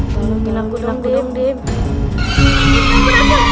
tolong dilakukan dong dim